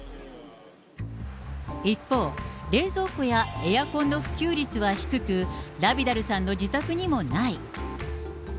一方、冷蔵庫やエアコンの普及率は低く、ラビダルさんの自宅にもない。